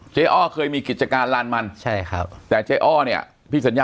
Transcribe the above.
เจ๊อ้อเคยมีกิจการลานมันแต่เจ๊อ้อเนี่ย